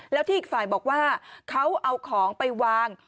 แล้วที่อีกฝ่ายบอกว่าเขาเอาของไปวาง